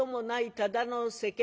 ただの世間話や。